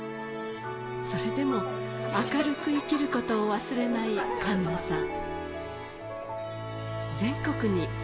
それでも明るく生きることを忘れない栞奈さん。